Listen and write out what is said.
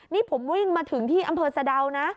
นี่ผมวิ่งมาถึงที่อำเภอสะดาวนะ